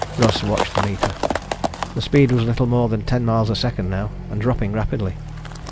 Russ watched the meter. The speed was little more than ten miles a second now and dropping rapidly.